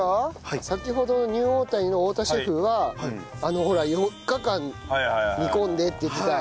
先ほどニューオータニの太田シェフはほら４日間煮込んでって言ってた。